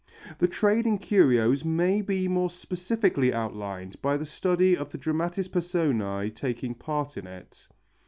The trade in curios may be more specifically outlined by the study of the dramatis personæ taking part in it.